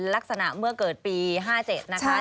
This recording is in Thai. ลักษณะเมื่อเกิดปี๕๗นะคะ